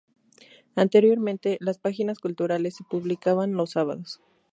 Anteriormente, las páginas culturales se publicaban los sábados.